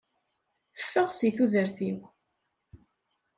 Ffeɣ si tudert-iw!